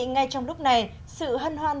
ngay trong lúc này sự hân hoan